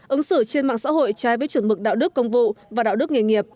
ứng xử trên mạng xã hội trái với chuẩn mực đạo đức công vụ và đạo đức nghề nghiệp